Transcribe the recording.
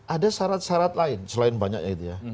ada syarat syarat lain selain banyaknya itu ya